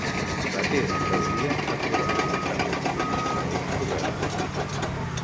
La teva teoria s'ha provat i s'ha confirmat que és correcta.